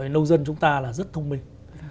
nông dân chúng ta là rất thông minh